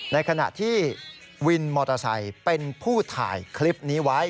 ในขณะที่วินมอเตอร์ไซค์เป็นผู้ถ่ายคลิปนี้ไว้